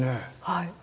はい。